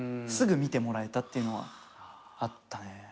すぐ見てもらえたっていうのはあったね。